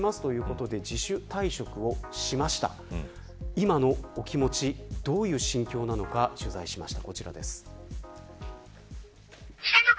今の気持ち、どういう心境なのか取材しました。